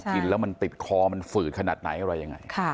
กินแล้วมันติดคอมันฝืดขนาดไหนอะไรยังไง